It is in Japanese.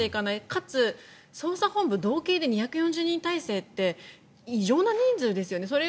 かつ、捜査本部は道警で２４０人態勢って異常な人数ですよね。